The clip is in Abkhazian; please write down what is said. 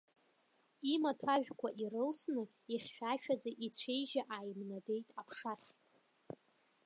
Имаҭәажәқәа ирылсны, ихьшәашәаӡа ицәеижьы ааимнадеит аԥшахь.